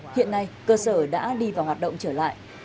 hiện nay cơ sở đã đi vào hoạt động trở lại